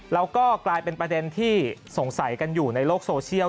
แล้วก็กลายเป็นประเด็นที่สงสัยกันอยู่ในโลกโซเชียล